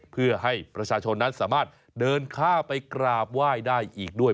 เพื่อให้ประชาชนนั้นสามารถเดินข้ามไปกราบไหว้ได้อีกด้วย